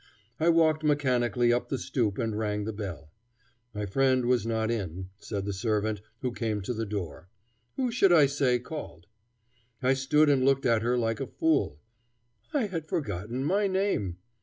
I walked mechanically up the stoop and rang the bell. My friend was not in, said the servant who came to the door. Who should she say called? I stood and looked at her like a fool: I had forgotten my name.